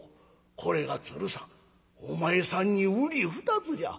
これが鶴さんお前さんにうり二つじゃ。